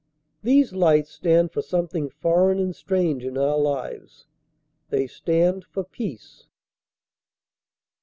These lights stand for something foreign and strange in our lives. They stand for peace.